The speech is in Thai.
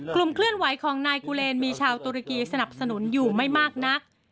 กลุ่มเคลื่อนไหวของนายกูเลนมีชาวตุรกีสนับสนุนอยู่ไม่มากนัก